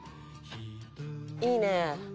「いいねえ」